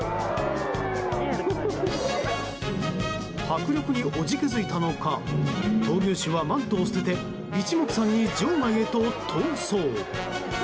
迫力に怖じ気づいたのか闘牛士はマントを捨てて一目散に場外へと逃走。